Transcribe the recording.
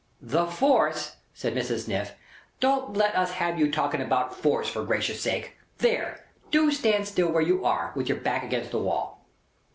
"The force!" said Mrs. Sniff. "Don't let us have you talking about force, for Gracious sake. There! Do stand still where you are, with your back against the wall."